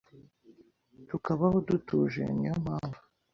tukabaho dutuje niyo mpamvu”